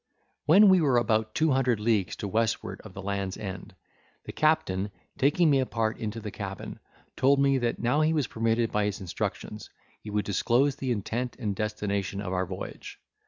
When we were about two hundred leagues to westward of the Land's End, the captain, taking me apart into the cabin, told me that, now he was permitted by his instructions, he would disclose the intent and destination of our voyage.